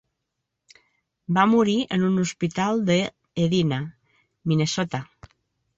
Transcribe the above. Va morir en un hospital de Edina, Minnesota.